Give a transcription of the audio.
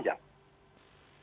jadi kalau saya saya melihatnya